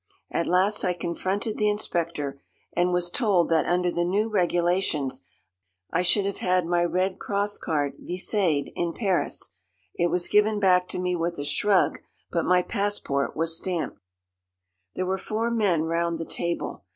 At last I confronted the inspector, and was told that under the new regulations I should have had my Red Cross card viséed in Paris. It was given back to me with a shrug, but my passport was stamped. "There were four men round the table.